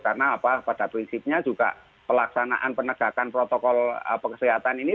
karena pada prinsipnya juga pelaksanaan penegakan protokol pekerjaan ini